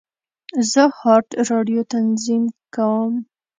زه هارد ډرایو تنظیم کوم.